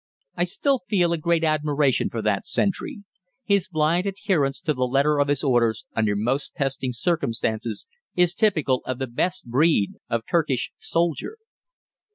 I still feel a great admiration for that sentry. His blind adherence to the letter of his orders under most testing circumstances is typical of the best breed of Turkish soldier.